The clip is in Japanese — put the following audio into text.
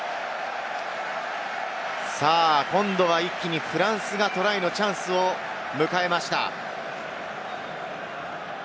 今度は一気にフランスがトライのチャンスを迎えました。